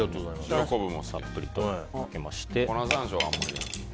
塩昆布もたっぷりとかけまして。